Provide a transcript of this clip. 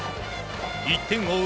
１点を追う